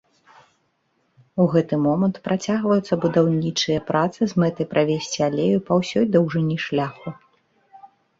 У гэты момант працягваюцца будаўнічыя працы з мэтай правесці алею па ўсёй даўжыні шляху.